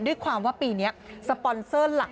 ด้วยความว่าปีนี้สปอนเซอร์หลัก